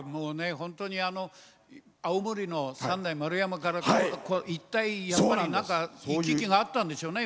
本当に青森の三内丸山から行き来があったんでしょうね